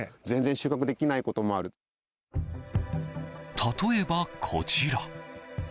例えばこちら。